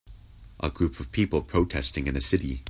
A group of people protesting in a city.